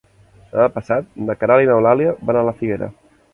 Demà passat na Queralt i n'Eulàlia van a la Figuera.